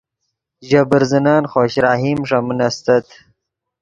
ژے برزنن خوش رحیم ݰے من استت